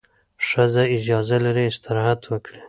ښځه اجازه لري استراحت وکړي.